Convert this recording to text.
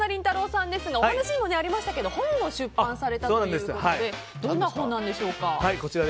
さんですがお話にもありましたけど本を出版されたということでどんな本なんでしょうか。